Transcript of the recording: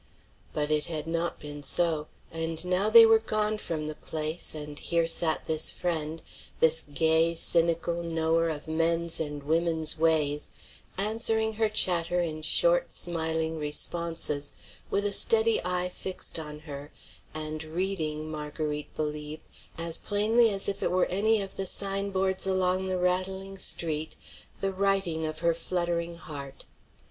But it had not been so; and now they were gone from the place; and here sat this friend, this gay, cynical knower of men's and women's ways, answering her chatter in short, smiling responses, with a steady eye fixed on her, and reading, Marguerite believed, as plainly as if it were any of the sign boards along the rattling street, the writing on her fluttering heart.